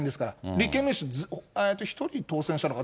立憲民主、１人当選したのかな？